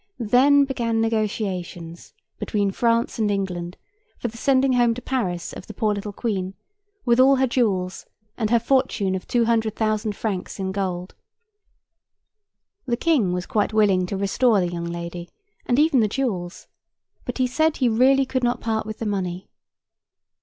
Then, began negotiations between France and England for the sending home to Paris of the poor little Queen with all her jewels and her fortune of two hundred thousand francs in gold. The King was quite willing to restore the young lady, and even the jewels; but he said he really could not part with the money.